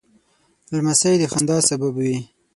لمسی د خندا سبب وي.